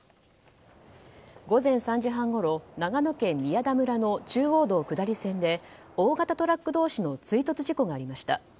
午前３時半ごろ長野県宮田村の中央道下り線で大型トラック同士の追突事故がありました。